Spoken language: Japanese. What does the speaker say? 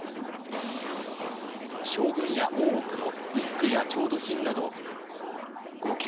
将軍や大奥の衣服や調度品など合計